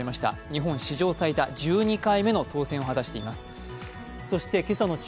日本史上最多１２回目の当選を果たしています。